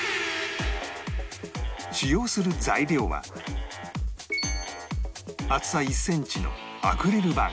使用する材料は厚さ１センチのアクリル板